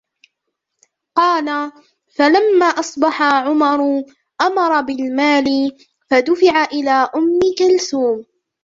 قَالَ فَلَمَّا أَصْبَحَ عُمَرُ أَمَرَ بِالْمَالِ فَدُفِعَ إلَى أُمِّ كُلْثُومٍ